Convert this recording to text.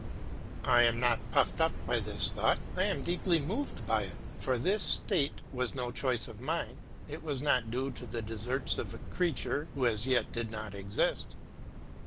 I am not puffed up by this thought, I am deeply moved by it; for this state was no choice of mine, it was not due to the deserts of a creature who as yet did not exist.